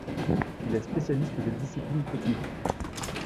Il est spécialiste des disciplines techniques.